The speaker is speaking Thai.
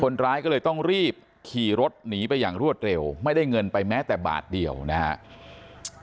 คนร้ายก็เลยต้องรีบขี่รถหนีไปอย่างรวดเร็วไม่ได้เงินไปแม้แต่บาทเดียวนะครับ